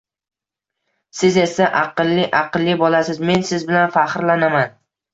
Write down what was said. Siz esa aqlli, aqlli bolasiz, men siz bilan faxrlanaman.